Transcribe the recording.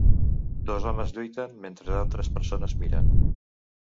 Dos homes lluiten mentre altres persones miren.